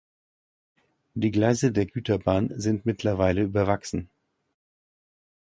Die Gleise der Güterbahn sind mittlerweile überwachsen.